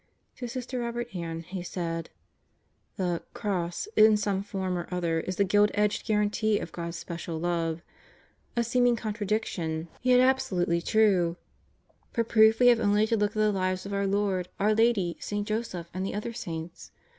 To Sister Robert Ann he said: The "cross" in some form or other is the gilt edged guarantee of God's special love. A seeming contradiction, yet absolutely true. 184 God Goes to Murderers Row For proof we have only to look at the lives of our Lord, our Lady, St. Joseph, and the other saints.